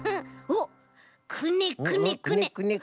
おっくねくねくね。